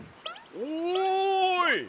おい！